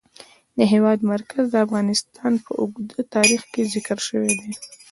د هېواد مرکز د افغانستان په اوږده تاریخ کې ذکر شوی دی.